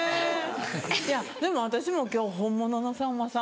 いやでも私も今日本物のさんまさん